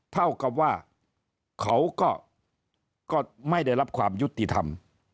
เท่ากับว่าเขาก็ไม่ได้รับความยุติธรรม